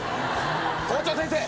校長先生